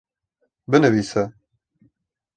binivîse